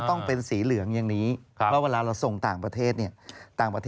ขออนุญาตผ่าไปดูนะ